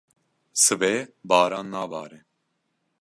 Sibê baran nabare.